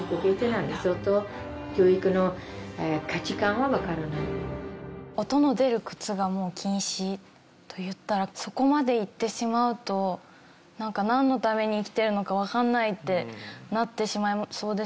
やっぱり音の出る靴が禁止といったらそこまでいってしまうとなんのために生きてるのかわからないってなってしまいそうです